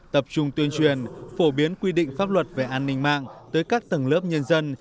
tập trung tuyên truyền phổ biến quy định pháp luật về an ninh mạng tới các tầng lớp nhân dân